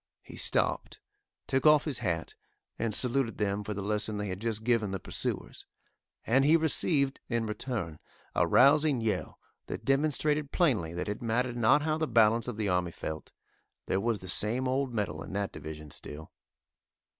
He stopped, took off his hat and saluted them for the lesson they had just given the pursuers, and he received, in return, a rousing yell that demonstrated plainly that it mattered not how the balance of the army felt, there was the same old mettle in that division still.